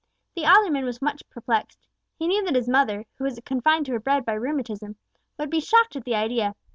The alderman was much perplexed. He knew that his mother, who was confined to her bed by rheumatism, would be shocked at the idea.